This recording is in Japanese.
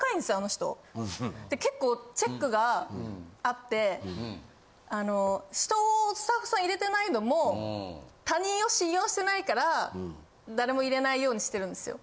結構チェックがあってあの人をスタッフさん入れてないのも他人を信用してないから誰も入れないようにしてるんですよ。